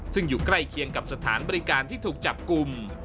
ซึ่งอยู่ใกล้เคียงกับสถานบริการที่ถูกจับกลุ่ม